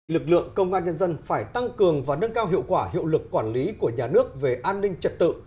lực lượng công an nhân dân phải tăng cường và nâng cao hiệu quả hiệu lực quản lý của nhà nước về an ninh trật tự